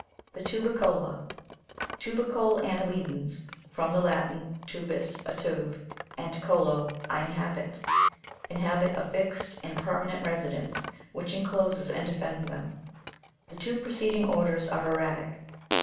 3d. The tubicola tubicole anne'lidans (from the Latin, tubus, a tube, and colo, I inhabit) inhabit a fixed and permanent resi dence, which encloses and defends them. The two preceding orders are erratic.